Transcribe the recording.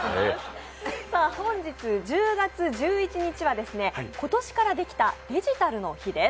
本日１０月１１日は今年からできたデジタルの日です。